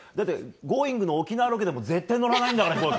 「Ｇｏｉｎｇ！」の沖縄ロケでも絶対に飛行機に乗らないんだから。